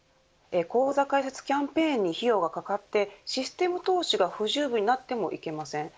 口座開設キャンペーンに費用がかかってシステム投資が不十分になってもいけません。